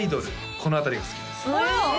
この辺りが好きですあら！